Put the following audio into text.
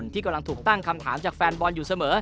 ตั้งคำถามจากแฟนบอลอยู่เสมอ